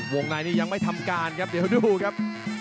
ในนี้ยังไม่ทำการครับเดี๋ยวดูครับ